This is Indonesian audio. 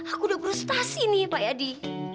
aku udah frustasi nih pak yadi